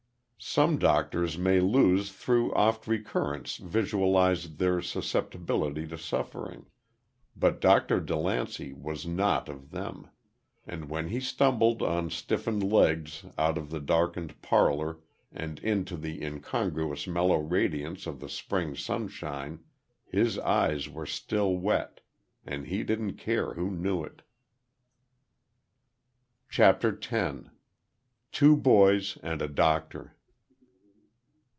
Some doctors may lose through oft recurrence visualized their susceptibility to suffering; but Dr. DeLancey was not of them. And when he stumbled on stiffened legs out of the darkened parlor and into the incongruous mellow radiance of the spring sunshine, his eyes were still wet, and he didn't care who knew it. CHAPTER TEN. TWO BOYS AND A DOCTOR.